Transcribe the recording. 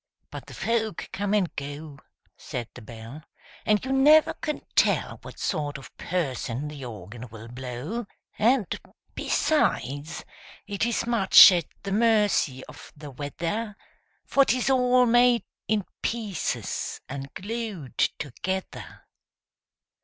But the folk come and go, Said the Bell, And you never can tell What sort of person the Organ will blow! And, besides, it is much at the mercy of the weather For 'tis all made in pieces and glued together!